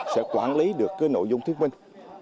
sẽ quản lý được nội dung thuyết minh